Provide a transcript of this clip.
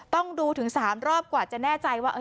ต้องดูถึง๓รอบกว่าจะแน่ใจว่า